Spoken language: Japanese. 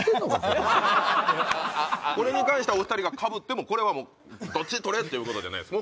これに関してはお二人がかぶってもこれはもうどっち取れってことじゃないです